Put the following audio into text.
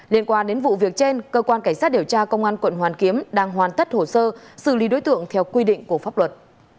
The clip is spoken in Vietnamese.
liên quan đến vụ việc trên cơ quan cảnh sát điều tra công an quận hoàn kiếm đang hoàn tất hồ sơ xử lý đối tượng theo quy định của pháp luật